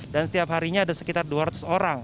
dan setiap harinya ada sekitar dua ratus orang